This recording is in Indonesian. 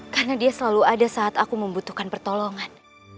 karena dia selalu ada saat aku membutuhkan pertolongan